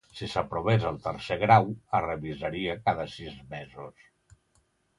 Si s'aprovés el tercer grau, es revisaria cada sis mesos.